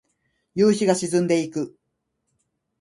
夕日が沈んでいく。